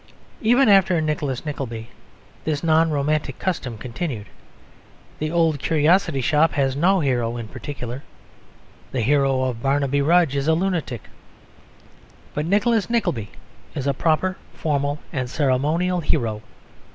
Even after Nicholas Nickleby this non romantic custom continued. The Old Curiosity Shop has no hero in particular. The hero of Barnaby Rudge is a lunatic. But Nicholas Nickleby is a proper, formal, and ceremonial hero.